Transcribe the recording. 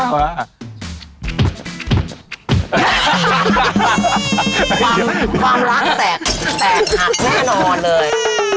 ความรักแตกหักแน่นอนเลย